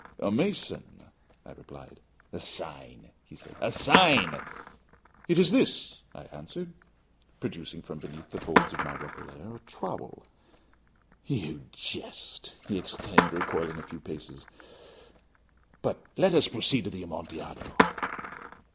"A mason," I replied. "A sign," he said, "a sign." "It is this," I answered, producing a trowel from beneath the folds of my roquelaire. "You jest," he exclaimed, recoiling a few paces. "But let us proceed to the Amontillado."